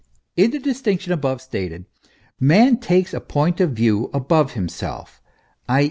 In the distinction above stated, man takes a point of view above himself, i.